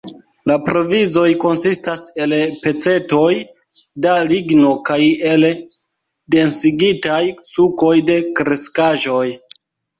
La provizoj konsistas el pecetoj da ligno kaj el densigitaj sukoj de kreskaĵoj.